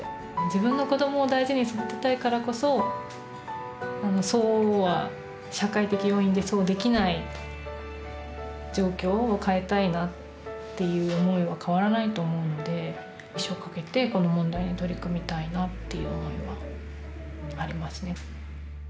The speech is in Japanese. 自分の子どもを大事に育てたいからこそそうは社会的要因でそうできない状況を変えたいなっていう思いは変わらないと思うんで一生かけてこの問題に取り組みたいなっていう思いはありますね。